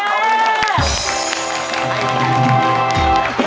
ครุ่นเธอ